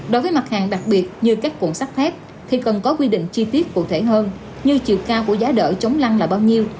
đối với mặt hàng đặc biệt như các cuộn sắt thép thì cần có quy định chi tiết cụ thể hơn như chiều cao của giá đỡ chống lăn là bao nhiêu